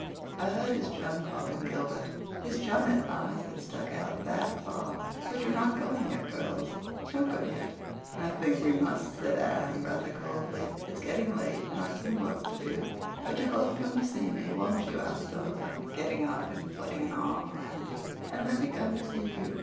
I heard his chum call him Gilbert. His chum had eyes that stuck out that far. But you're not going yet, girls? Don't go yet." "I think we must," said Anne, rather coldly. "It's getting late, and I've some work to do." "But you'll both come to see me, won't you?" asked Philippa, getting up and putting an arm around each. "And let me come to see you.